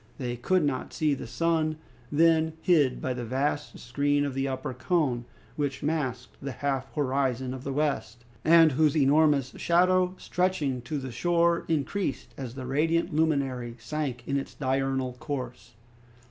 They could not see the sun, then hid by the vast screen of the upper cone, which masked the half horizon of the west, and whose enormous shadow stretching to the shore increased as the radiant luminary sank in its diurnal course.